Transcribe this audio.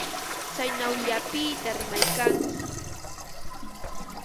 Tsaynawllapita rimaykanki.